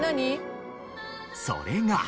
それが。